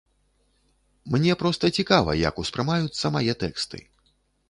Мне проста цікава, як успрымаюцца мае тэксты.